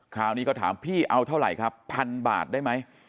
คราวนี้ก็ถามพี่เอาเท่าไหร่ครับพันบาทได้ไหม